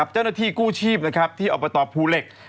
เจ้าหน้าที่กู้ชีพที่อบตภูเหล็ก